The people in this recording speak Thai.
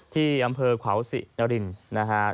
ที่อำเภอขวาวศินรินนะครับ